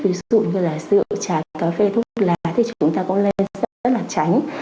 ví dụ như là rượu trà cà phê thuốc lá thì chúng ta cũng nên rất là tránh